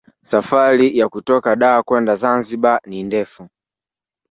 Safari ya kutoka Dar kwenda Zanzibar ni ndefu